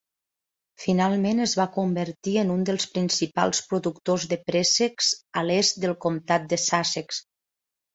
Finalment, es va convertir en un dels principals productors de préssecs a l"est del comtat de Sussex.